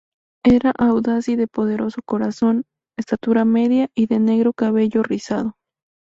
Era audaz y de poderoso corazón, estatura media y de negro cabello rizado.